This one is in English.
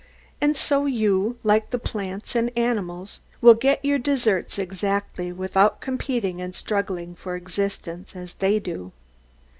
And so you, like the plants and animals, will get your deserts exactly, without competing and struggling for existence as they do.